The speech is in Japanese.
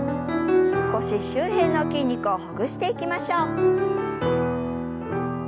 腰周辺の筋肉をほぐしていきましょう。